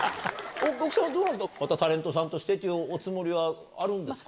奥さんは、またタレントさんとしてのおつもりはあるんですか。